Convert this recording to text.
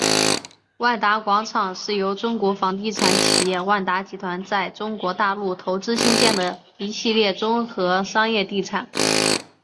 万达广场是由中国房地产企业万达集团在中国大陆投资兴建的一系列综合商业地产。